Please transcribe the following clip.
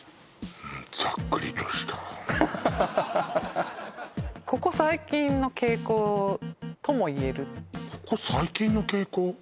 ざっくりとしたここ最近の傾向ともいえるここ最近の傾向？